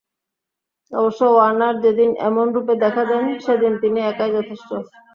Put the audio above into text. অবশ্য ওয়ার্নার যেদিন এমন রূপে দেখা দেন, সেদিন তিনি একাই যথেষ্ট।